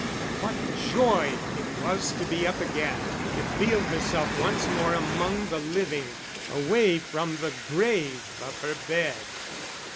But what joy it was to be up again, to feel herself once more among the living away from the grave of her bed!